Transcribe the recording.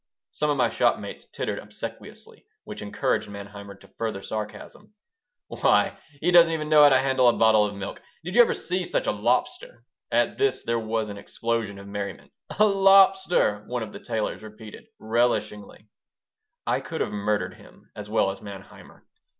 Some of my shopmates tittered obsequiously, which encouraged Manheimer to further sarcasm. "Why, he doesn't even know how to handle a bottle of milk. Did you ever see such a lobster?" At this there was an explosion of merriment. "A lobster!" one of the tailors repeated, relishingly I could have murdered him as well as Manheimer.